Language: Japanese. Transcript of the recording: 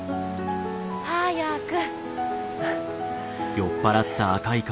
早く。